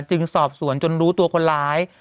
จึงสอบสวนจนรู้ตัวคนร้าย